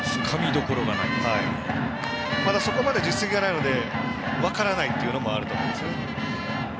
そこまで実績がないので分からないというのもあると思うんですね。